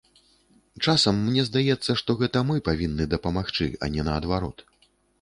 Часам мне здаецца, што гэта мы павінны дапамагчы, а не наадварот.